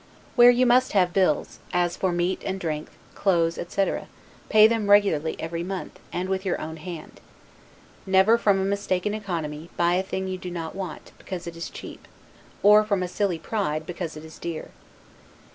Where you must have bills (as for meat and drink, clothes, etc.), pay them regularly every month, and with your own hand. Never, from a mistaken economy, buy a thing you do not want, because it is cheap; or from a silly pride, because it is dear.